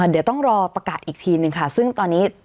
มีโอกาสอีกทีนึงค่ะซึ่งตอนนี้